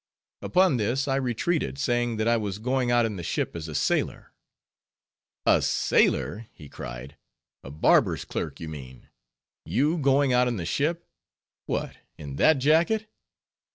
Upon this I retreated, saying that I was going out in the ship as a sailor. "A sailor!" he cried, "a barber's clerk, you mean; you going out in the ship? what, in that jacket?